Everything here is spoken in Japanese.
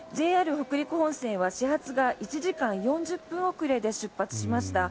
北陸本線は始発が１時間４０分遅れで出発しました。